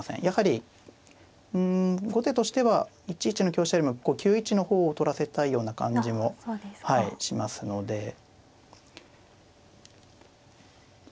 やはりうん後手としては１一の香車よりもこう９一の方を取らせたいような感じもしますので。